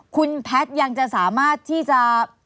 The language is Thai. คุณแพทย์ยังจะสามารถที่จะ